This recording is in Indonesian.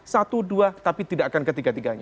satu dua tapi tidak akan ketiga tiganya